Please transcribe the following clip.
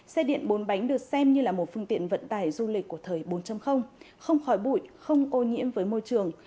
xe điện bốn bánh được xem như là một phương tiện vận tải du lịch của thời bốn không khói bụi không ô nhiễm với môi trường